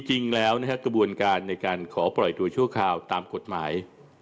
จริงแล้วกระบวนการในการขอปล่อยตัวชั่วคราวตามกฎหมาย